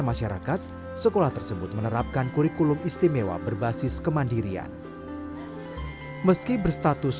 masyarakat sekolah tersebut menerapkan kurikulum istimewa berbasis kemandirian meski berstatus